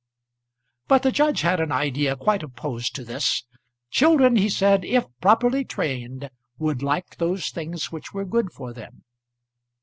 But the judge had an idea quite opposed to this. Children, he said, if properly trained would like those things which were good for them.